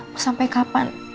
mau sampai kapan